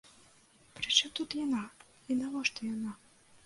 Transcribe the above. Прычым тут яна і навошта яна?